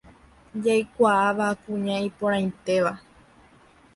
Jaikuaava kuña iporãitéva.